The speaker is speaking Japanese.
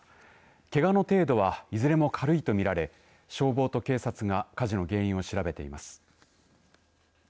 けがの程度はいずれも軽いと見られ消防と警察が火事の原因を調べています。